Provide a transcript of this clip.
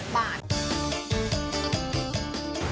๕๐บาท